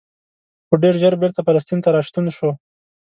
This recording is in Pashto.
خو ډېر ژر بېرته فلسطین ته راستون شو.